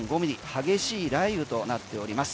激しい雷雨となっております。